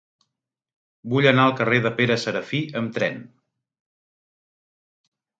Vull anar al carrer de Pere Serafí amb tren.